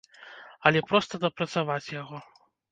Але проста дапрацаваць яго.